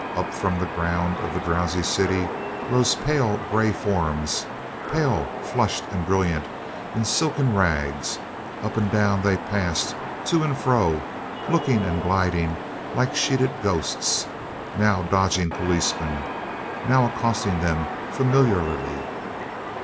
Up from the ground of the drowsy city rose pale gray forms; pale, flushed, and brilliant, in silken rags. Up and down they passed, to and fro, looking and gliding like sheeted ghosts; now dodging policemen, now accosting them familiarly.